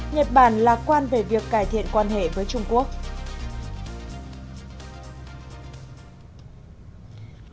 nhật bản lạc quan về việc cải thiện quan hệ với trung quốc